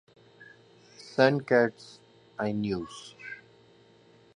saint Kitts ۽ Nevis